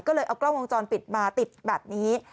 ก็เลยเอากล้องวงจรปิดมาติดแบบนี้